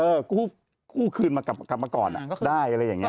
กู้คืนมากลับมาก่อนได้อะไรอย่างนี้